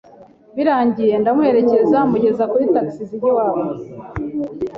Birangiye, ndamuherekeza mugeza kuri taxi zijya iwabo,